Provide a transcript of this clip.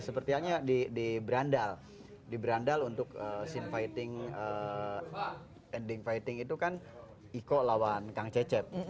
sepertinya di brandal untuk scene fighting ending fighting itu kan iko lawan kang cecep